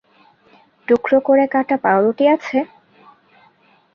টুকরো করে কাটা পাউরুটি আছে?